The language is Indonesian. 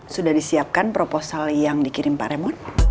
sudah disiapkan proposal yang dikirim pak remo